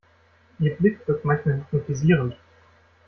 Ihr Blick wirkt manchmal hypnotisierend.